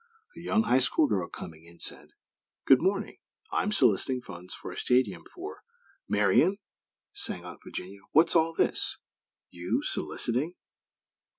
A young High School girl, coming in, said; "Good morning! I'm soliciting for funds for a stadium for " "Marian!" sang out Virginia, "What's all this? You, soliciting?"